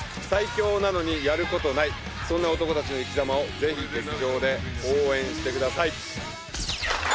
最強なのにやることないそんな漢たちの生きざまをぜひ劇場で応援してください。